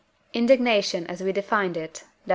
Indignation as we defined it (Def.